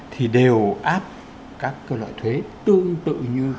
thì đều áp các loại thuế tương tự như